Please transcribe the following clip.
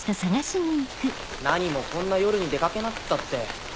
何もこんな夜に出掛けなくったって。